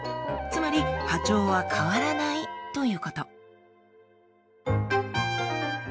つまり波長は変わらないということ。